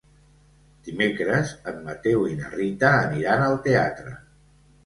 Dimecres en Mateu i na Rita aniran al teatre.